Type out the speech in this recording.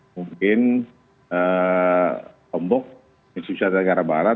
mungkin lombok nusa tenggara barat